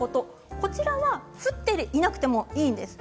こちらは降っていなくてもいいんです。